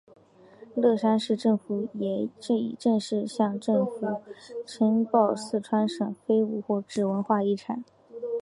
乐山市政府也已正式向省政府申报四川省非物质文化遗产。